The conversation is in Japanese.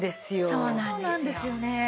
そうなんですよね。